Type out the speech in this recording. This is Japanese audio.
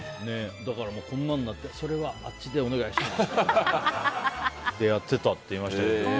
だから、こんなんなってそれはあっちでお願いしますってやっていたって言っていましたけどね。